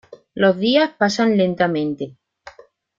Los días pasan lentamente.